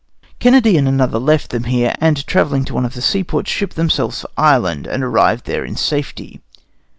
Kennedy and another left them here, and, travelling to one of the seaports, shipped themselves for Ireland, and arrived there in safety.